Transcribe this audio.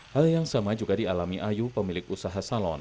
hal yang sama juga dialami ayu pemilik usaha salon